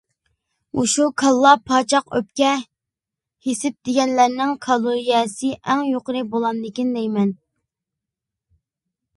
مۇشۇ كاللا-پاچاق، ئۆپكە-ھېسىپ دېگەنلەرنىڭ كالورىيەسى ئەڭ يۇقىرى بولامدىكىن دەيمەن.